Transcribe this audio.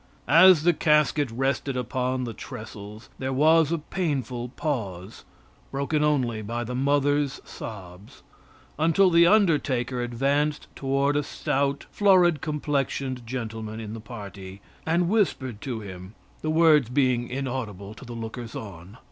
As the casket rested upon the trestles there was a painful pause, broken only by the mother's sobs, until the undertaker advanced toward a stout, florid complexioned gentleman in the party and whispered to him, the words being inaudible to the lookers on.